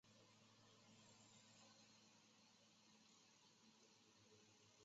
只要稍微注意新闻报导